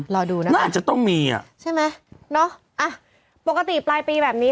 รอดูนะครับใช่ไหมเนอะปกติปลายปีแบบนี้